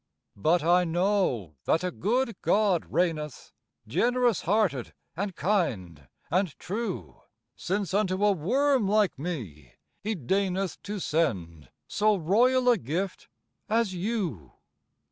But I know that a good God reigneth, Generous hearted and kind and true; Since unto a worm like me he deigneth To send so royal a gift as you.